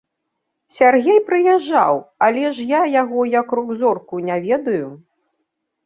Сяргей прыязджаў, але ж я яго як рок-зорку не ведаю.